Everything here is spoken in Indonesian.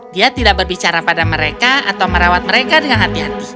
dia tidak berbicara pada mereka atau merawat mereka dengan hati hati